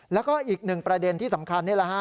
แล้วก็อีกหนึ่งประเด็นที่สำคัญนี่แหละฮะ